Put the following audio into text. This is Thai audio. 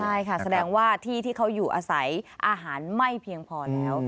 ใช่ค่ะแสดงว่าที่ที่เขาอยู่อาศัยอาหารไม่เพียงพอแล้ว